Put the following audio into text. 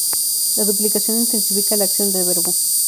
La duplicación intensifica la acción del verbo.